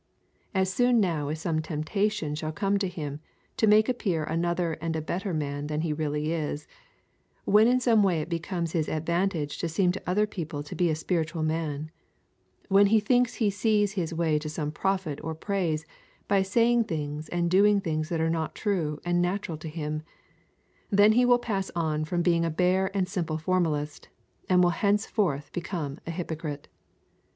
As soon now as some temptation shall come to him to make appear another and a better man than he really is: when in some way it becomes his advantage to seem to other people to be a spiritual man: when he thinks he sees his way to some profit or praise by saying things and doing things that are not true and natural to him, then he will pass on from being a bare and simple formalist, and will henceforth become a hypocrite.